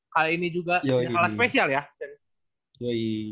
kali ini juga adalah spesial ya